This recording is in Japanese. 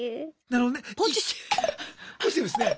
なるほどね。